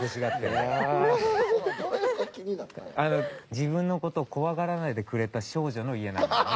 自分の事を怖がらないでくれた少女の家なんだろうね。